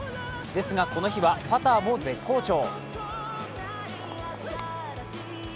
ですが、この日はパターも絶好調。